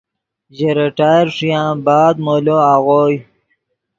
ژے ریٹائر ݰویان بعد مولو آغوئے